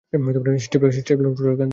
Stifler, উঠ ওখান থেকে।